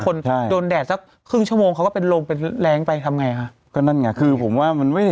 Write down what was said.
บางคนโดนแดดสักครึ่งชั่วโมงเขาก็เป็นโรงเป็นแรงไปทำไงคะ